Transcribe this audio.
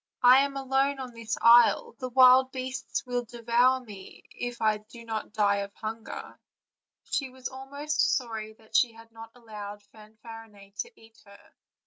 "I am alone on this isle; the wild beasts will devour me if I do not die of hunger:" she was almost sorry that she had not allowed Fanfarinet to eat her.